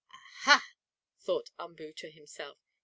"Ah, ha!" thought Umboo to himself.